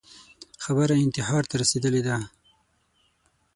خبره انتحار ته رسېدلې ده